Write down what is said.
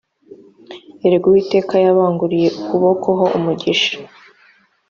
erega uwiteka yabanguriye ukuboko ho umugisha.